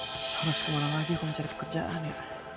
terus kemana lagi aku mencari pekerjaan ya